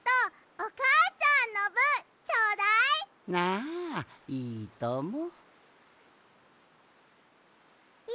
ああいいとも。